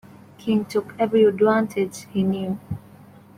King took every advantage he knew.